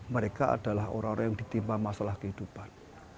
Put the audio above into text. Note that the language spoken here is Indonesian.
mereka adalah orang orang yang ditimpa masalah kehidupan